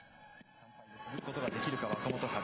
３敗で続くことができるか若元春。